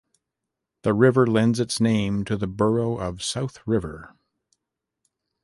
The river lends its name to the borough of South River.